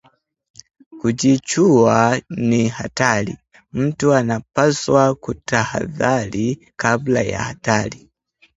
Kujichua ni hatari! Mtu anapaswa kutahadhari kabla ya hatari